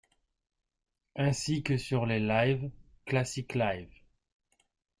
Ainsi que sur les lives: Classics Live!